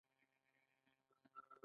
زموږ ټوله کورنۍ کلی کې اوسيږې.